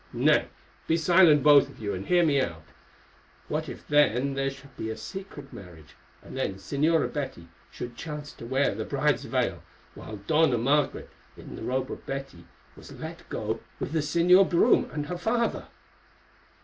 Nay, be silent both of you, and hear me out. What if then there should be a secret marriage, and the Señora Betty should chance to wear the bride's veil, while the Dona Margaret, in the robe of Betty, was let go with the Señor Brome and her father?"